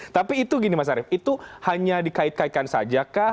tapi itu gini mas arief itu hanya dikait kaitkan saja kah